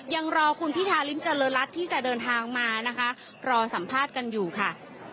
ยังรอคุณพิธาริมเจริญรัฐที่จะเดินทางมานะคะรอสัมภาษณ์กันอยู่ค่ะ